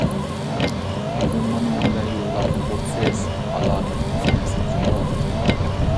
بۈگۈن مانا مۇنبەرگە يوللاپمۇ بوپسىز، ئالامەت تىزكەنسىز جۇمۇ!